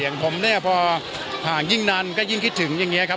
อย่างผมเนี่ยพอห่างยิ่งนานก็ยิ่งคิดถึงอย่างนี้ครับ